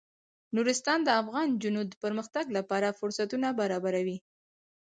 نورستان د افغان نجونو د پرمختګ لپاره فرصتونه برابروي.